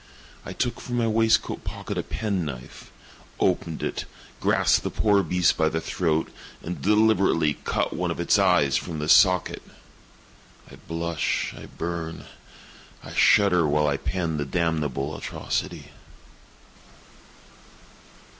I took from my waistcoat pocket a pen knife, opened it, grasped the poor beast by the throat, and deliberately cut one of its eyes from the socket! I blush, I burn, I shudder, while I pen the damnable atrocity.